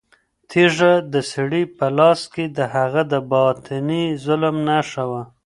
تیږه د سړي په لاس کې د هغه د باطني ظلم نښه وه.